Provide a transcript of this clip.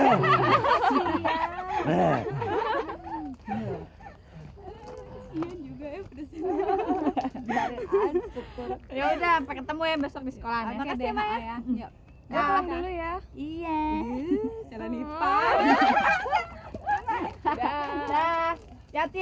ya udah sampai ketemu yang besok di sekolah ya iya